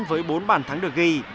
với bốn bàn thắng được ghi